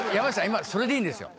今それでいいんですよ